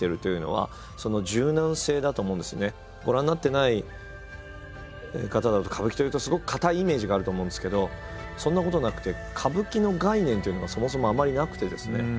ご覧になってない方だと歌舞伎というとすごく堅いイメージがあると思うんですけどそんなことはなくて歌舞伎の概念っていうのがそもそもあまりなくてですね。